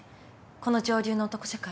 この上流の男社会。